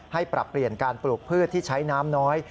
ปรับเปลี่ยนการปลูกพืชที่ใช้น้ำน้อย